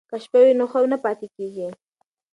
که شپه وي نو خوب نه پاتې کیږي.